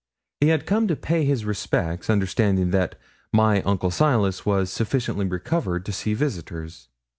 He had come to pay his respects, understanding that my uncle Silas was sufficiently recovered to see visitors.